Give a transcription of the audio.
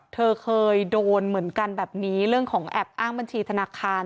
เธอเคยโดนเหมือนกันแบบนี้เรื่องของแอบอ้างบัญชีธนาคาร